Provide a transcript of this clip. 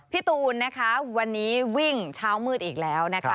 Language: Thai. พี่ตูนนะคะวันนี้วิ่งเช้ามืดอีกแล้วนะคะ